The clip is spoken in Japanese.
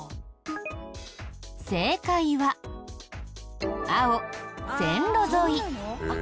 正解は青線路沿い。